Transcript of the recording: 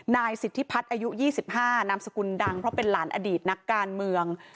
นายสิทธิพัฒน์อายุ๒๕นามสกุลดังเพราะเป็นหลานอดีตนักการเมือง